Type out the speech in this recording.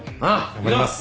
頑張ります。